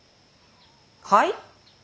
はい？